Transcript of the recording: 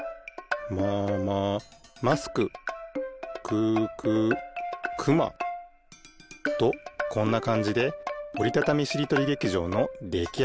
まま「ますく」くく「くま」。とこんなかんじで「おりたたみしりとり劇場」のできあがり！